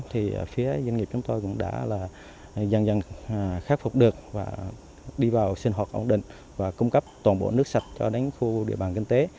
thì phía doanh nghiệp chúng tôi cũng đã là dần dần khắc phục được và đi vào sinh hoạt ổn định và cung cấp toàn bộ nước sạch cho đến khu địa bàn kinh tế